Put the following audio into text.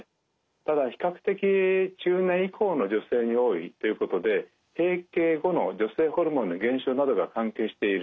ただ比較的中年以降の女性に多いということで閉経後の女性ホルモンの減少などが関係しているというふうに考えられます。